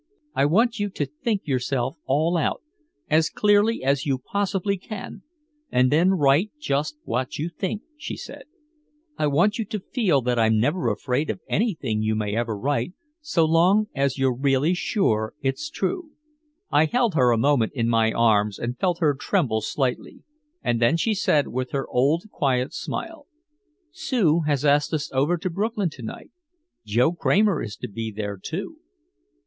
"I want you to think yourself all out as clearly as you possibly can and then write just what you think," she said. "I want you to feel that I'm never afraid of anything you may ever write so long as you're really sure it's true." I held her a moment in my arms and felt her tremble slightly. And then she said with her old quiet smile: "Sue has asked us over to Brooklyn to night Joe Kramer is to be there, too."